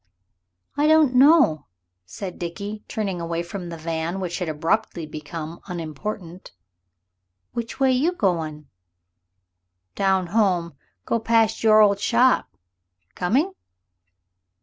"I don't know," said Dickie, turning away from the van, which had abruptly become unimportant. "Which way you goin'?" "Down home go past your old shop. Coming?"